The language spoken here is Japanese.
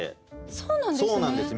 そうなんですね。